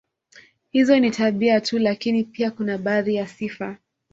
Hizo ni tabia tu lakini pia kuna baadhi ya sifa